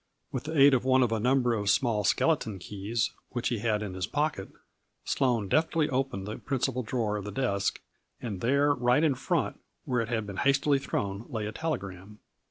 With the aid of one of a num ber of small skeleton keys, which he had in his pocket, Sloane deftly opened the principal drawer of the desk and there, right in front, where it had been hastily thrown, lay a telegram.